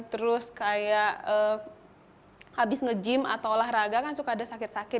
terus kayak habis nge gym atau olahraga kan suka ada sakit sakit